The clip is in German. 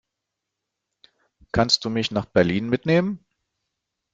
Kannst du mich nach Berlin mitnehmen?